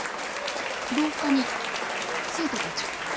廊下に生徒たちが。え？